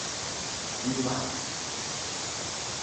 They took all the outdated parts of it and gave them new life.